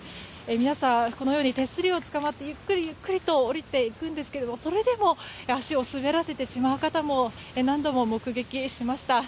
皆さん、手すりにつかまってゆっくりゆっくりと下りていくんですけれどもそれでも足を滑らせてしまう方も何度も目撃しました。